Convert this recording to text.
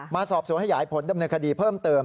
มาสอบสวนขยายผลดำเนินคดีเพิ่มเติม